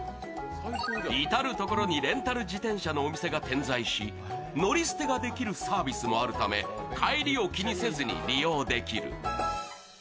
至る所にレンタル自転車のお店が点在し、乗り捨てができるサービスもあるため、帰りを気にせずに利用できる。